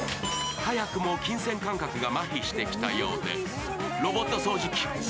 早くも金銭感覚がまひしてきたようで。